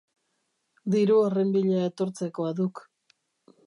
Diru horren bila etortzekoa duk.